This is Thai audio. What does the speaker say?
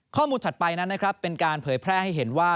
ข้อมูลถัดไปเป็นการเผยแพร่ให้เห็นว่า